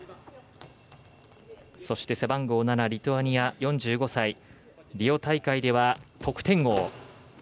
そして、背番号７リトアニア、４５歳リオ大会では得点王。